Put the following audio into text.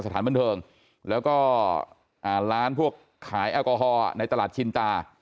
สถานบันเทิงแล้วก็ร้านพวกขายแอลกอฮอล์ในตลาดชินตา